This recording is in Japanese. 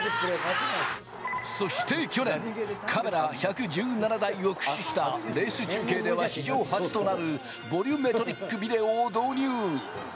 そして去年、カメラ１１７台を駆使したレース中継では史上初となるボリュメトリックビデオを導入。